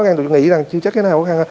chúng ta nghĩ rằng chứ chắc cái nào có khăn